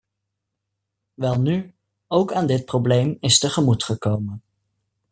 Welnu, ook aan dit probleem is tegemoet gekomen.